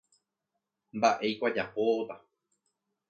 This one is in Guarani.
mba'éiko ajapóta.